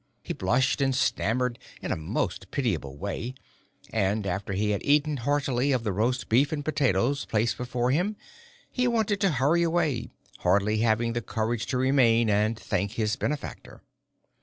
He blushed and stammered in a most pitiable way, and after he had eaten heartily of the roast beef and potatoes placed before him he wanted to hurry away, hardly having the courage to remain and thank his benefactor.